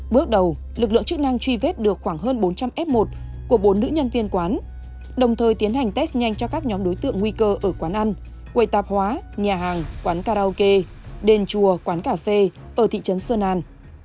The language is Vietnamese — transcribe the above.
bước đầu lực lượng chức năng truy vết được khoảng hơn bốn trăm linh f một của bốn nữ nhân viên quán đồng thời tiến hành test nhanh cho các nhóm đối tượng nguy cơ ở quán ăn quầy tạp hóa nhà hàng quán karaoke đền chùa quán cà phê ở thị trấn xuân an